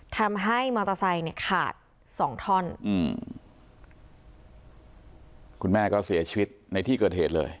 ทำให้มอเตอร์ไซค์เนี่ยขาดสองท่อนอืมคุณแม่ก็เสียชีวิตในที่เกิดเหตุเลย